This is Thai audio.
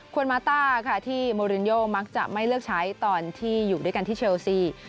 วนมาต้าค่ะที่โมรินโยมักจะไม่เลือกใช้ตอนที่อยู่ด้วยกันที่เชลซี